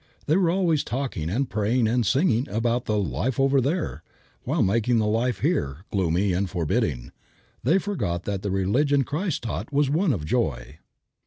They were always talking and praying and singing about "the life over there," while making the life here gloomy and forbidding. They forgot that the religion Christ taught was one of joy.